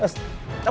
cabut lu cabut